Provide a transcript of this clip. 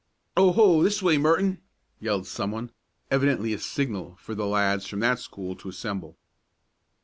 "Oh ho! This way, Merton!" yelled someone, evidently a signal for the lads from that school to assemble.